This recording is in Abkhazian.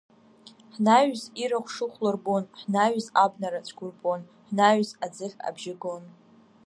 Ҳнаҩыс ирахә шыхәло рбон, Ҳнаҩыс абнара цәқәырԥон, Ҳнаҩыс аӡыхь абжьы гон…